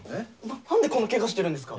なんでこんなケガしてるんですか？